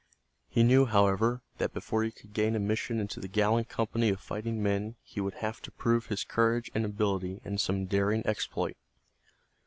He knew, however, that before he could gain admission into the gallant company of fighting men he would have to prove his courage and ability in some daring exploit.